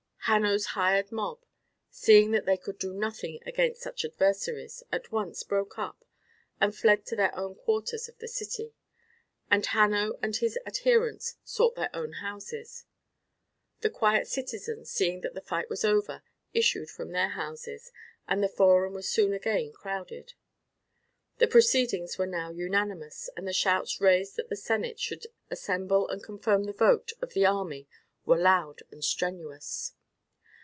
Hanno's hired mob, seeing that they could do nothing against such adversaries, at once broke up and fled to their own quarters of the city, and Hanno and his adherents sought their own houses. The quiet citizens, seeing that the fight was over, issued from their houses, and the forum was soon again crowded. The proceedings were now unanimous, and the shouts raised that the senate should assemble and confirm the vote of the army were loud and strenuous.